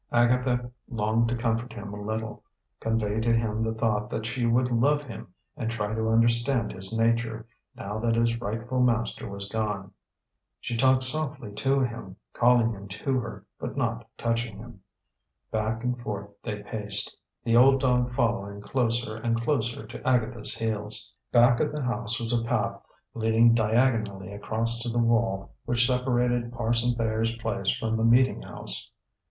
Agatha longed to comfort him a little, convey to him the thought that she would love him and try to understand his nature, now that his rightful master was gone. She talked softly to him, calling him to her but not touching him. Back and forth they paced, the old dog following closer and closer to Agatha's heels. Back of the house was a path leading diagonally across to the wall which separated Parson Thayer's place from the meeting house.